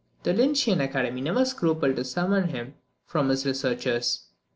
The Lyncæan Academy never scrupled to summon him from his researches.